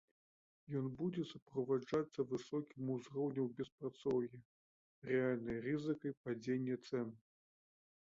Ён будзе суправаджацца высокім узроўнем беспрацоўя, рэальнай рызыкай падзення цэн.